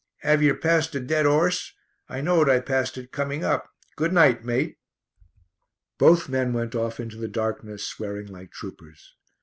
'Ave yer passed a dead 'orse? I knowed I passed it coming up. Good night, mate." Both men went off into the darkness, swearing like troopers.